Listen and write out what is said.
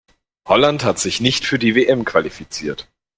Holland hat sich nicht für die WM qualifiziert.